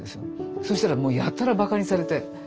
そしたらもうやたらバカにされて。